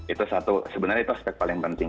itu satu sebenarnya itu aspek paling penting